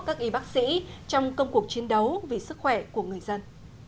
các y bác sĩ trong công cuộc chiến đấu vì sức khỏe của người dân